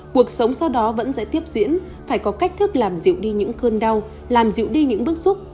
cuộc sống sau đó vẫn sẽ tiếp diễn phải có cách thức làm dịu đi những cơn đau làm dịu đi những bức xúc